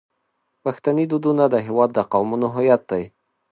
پښتني دودونه د هیواد د قومونو هویت دی.